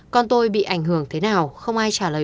con tôi bị ảnh hưởng thế nào không ai trả lời